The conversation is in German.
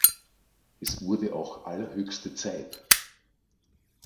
Es wurde auch allerhöchste Zeit!